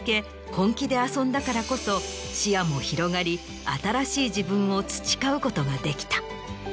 本気で遊んだからこそ視野も広がり新しい自分を培うことができた。